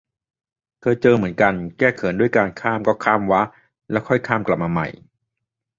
เคยเจอเหมือนกัน แก้เขินด้วยการ ข้ามก็ข้ามวะ แล้วค่อยข้ามกลับมาใหม่